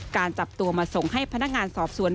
จับตัวมาส่งให้พนักงานสอบสวน